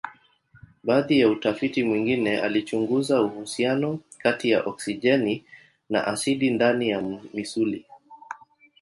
Baadhi ya utafiti mwingine alichunguza uhusiano kati ya oksijeni na asidi ndani ya misuli.